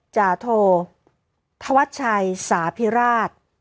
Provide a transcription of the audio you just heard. จาโทธวัชชัยสาพิราช